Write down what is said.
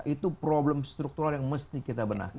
itu problem struktural yang mesti kita benahi